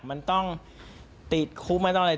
มันต้องติดคุกไม่ต้องอะไร